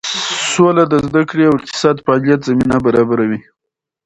سوله د زده کړې او اقتصادي فعالیت زمینه برابروي.